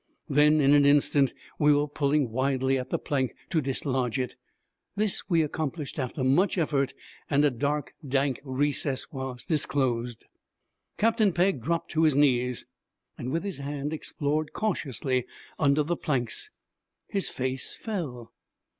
Then, in an instant, we were pulling wildly at the plank to dislodge it. This we accomplished after much effort, and a dark, dank recess was disclosed. Captain Pegg dropped to his knees, and with his hand explored cautiously under the planks. His face fell.